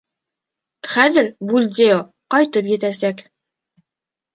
Хәҙер Бульдео ҡайтып етәсәк...